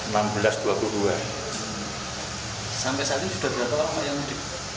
sampai saat ini sudah terlalu lama yang di